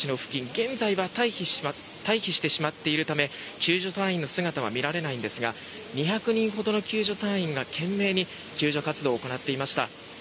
現在は退避してしまっているため救助隊員の姿は見られませんが２００人ほどの救助隊員が懸命に救助活動を行っていました。